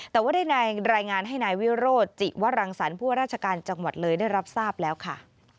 แต่ว่าได้รายงานให้นายวิโรธจิวรังสรรค์ผู้ว่าราชการจังหวัดเลยได้รับทราบแล้วค่ะ